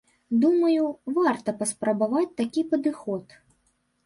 Думаю, варта паспрабаваць такі падыход.